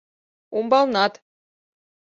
Умбалнат